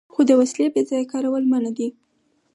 خو د وسلې بې ځایه کارول منع دي.